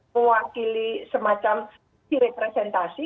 mewakili semacam direpresentasi